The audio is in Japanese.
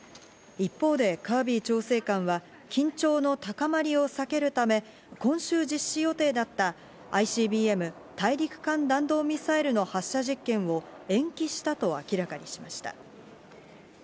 一方でカービー調整官は緊張の高まりを避けるため、今週、実施予定だったＩＣＢＭ＝大陸間弾道ミサイルの発射実験を延期したと明らかにしました。